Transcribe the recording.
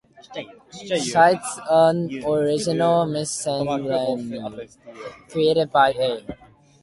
"Shite's Unoriginal Miscellany", written by "A.